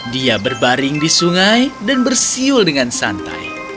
dia berbaring di sungai dan bersiul dengan santai